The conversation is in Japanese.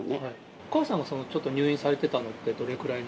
お母さんがちょっと入院されてたのってどれくらいの？